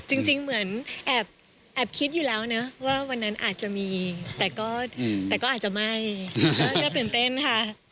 จริงเหมือนแอบคิดอยู่แล้วนะว่าวันนั้นอาจจะมีแต่ก็อาจจะไม่น่าตื่นเต้นค่ะ